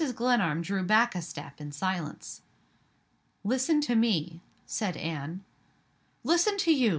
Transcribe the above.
Glenarm drew back a step in silence. "Listen to me," said Anne. "Listen to you?"